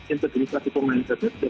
integritas itu mengaturnya